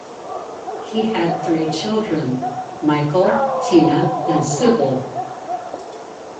He had three children; Michael, Tina and Sybil.